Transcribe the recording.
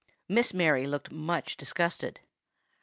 Miss Mary looked much disgusted.